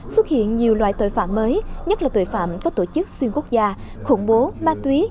xuất hiện nhiều loại tội phạm mới nhất là tội phạm có tổ chức xuyên quốc gia khủng bố ma túy